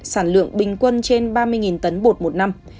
sản lượng bình quân trên ba mươi tấn bột một năm